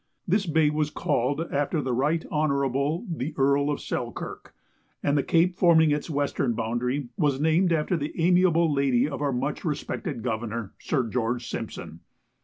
This bay was called after the Rt Hon. the Earl of Selkirk, and the cape forming its western boundary was named after the amiable lady of our much respected governor, Sir George Simpson.